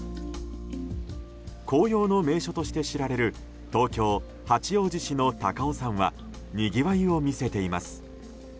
紅葉の名所として知られる東京・八王子市の高尾山はにぎわいを見せています。